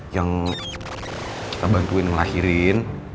yang kita bantuin ngelahirin